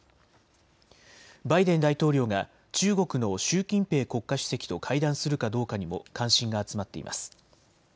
バイデン大統領が中国の習近平国家主席と会談するかどうかにも関心が集まっています。